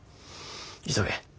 急げ。